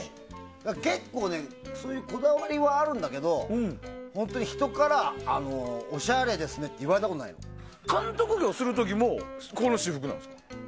結構ね、そういうこだわりはあるんだけど本当に人からおしゃれですねって言われたことないの。監督業する時もこの私服なんですか？